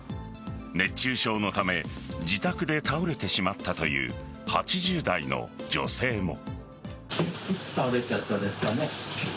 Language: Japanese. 熱中症のため自宅で倒れてしまったという８０代の女性も。